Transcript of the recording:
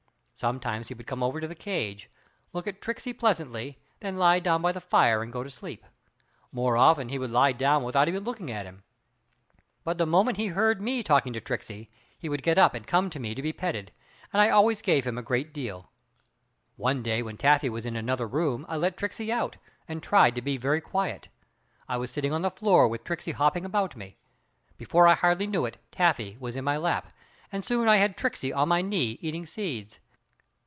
Sometimes he would come over to the cage, look at Tricksey pleasantly, then lie down by the fire and go to sleep; more often he would lie down without even looking at him. But the moment he heard me talking to Tricksey he would get up and come to me to be petted, and I always gave him a great deal. One day when Taffy was in another room I let Tricksey out, and tried to be very quiet. I was sitting on the floor with Tricksey hopping about me. Before I hardly knew it Taffy was in my lap, and soon I had Tricksey on my knee eating seeds.